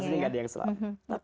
rasanya nggak ada yang selamat